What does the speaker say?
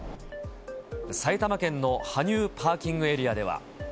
埼玉県の羽生パーキングエリアでは。